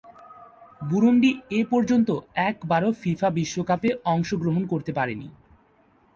Burundi এপর্যন্ত একবারও FIFA বিশ্বকাপে অংশগ্রহণ করতে পারেনি।